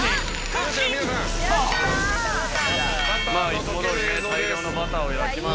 いつも通り大量のバターを焼きます